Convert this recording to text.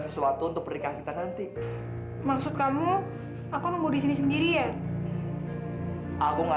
sesuatu untuk pernikahan kita nanti maksud kamu aku nunggu di sini sendiri ya aku nggak